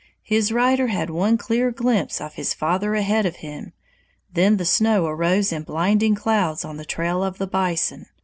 His rider had one clear glimpse of his father ahead of him, then the snow arose in blinding clouds on the trail of the bison.